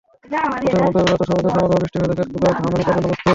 পথের মধ্যে অবিরত সবুজের সমারোহ, বৃষ্টিভেজা খেতগুলো ধান রোপার জন্য প্রস্তুত।